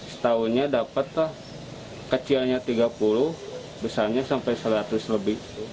setahunnya dapatlah kecilnya tiga puluh besarnya sampai seratus lebih